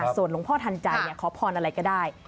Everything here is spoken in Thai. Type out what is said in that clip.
ส่วนหลวงพ่อทันใจขอพรอะไรก็ได้